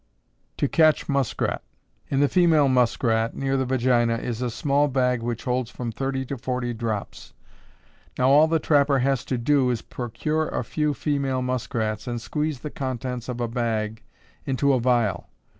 To Catch Muskrat. In the female muskrat near the vagina is a small bag which holds from 30 to 40 drops. Now all the trapper has to do, is to procure a few female muskrats and squeeze the contents of a bag into a vial.